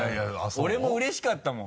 俺もうれしかったもん